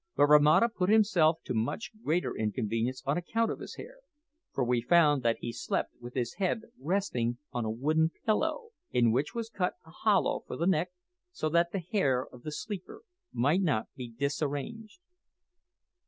But Romata put himself to much greater inconvenience on account of his hair; for we found that he slept with his head resting on a wooden pillow, in which was cut a hollow for the neck, so that the hair of the sleeper might not be disarranged.